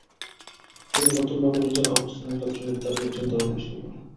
তিনি নতুনভাবে নিজের অবস্থানের ক্ষেত্র নির্ধারণের চিন্তাভাবনা শুরু করেন।